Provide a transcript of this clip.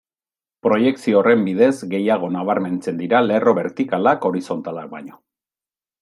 Proiekzio horren bidez, gehiago nabarmentzen dira lerro bertikalak horizontalak baino.